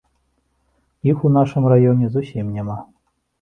Іх у нашым раёне зусім няма.